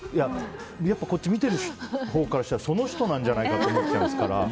見てるほうからしたらその人なんじゃないかと思っちゃいますから。